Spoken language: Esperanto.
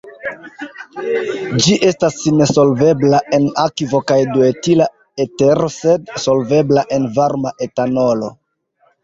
Ĝi estas nesolvebla en akvo kaj duetila etero sed solvebla en varma etanolo.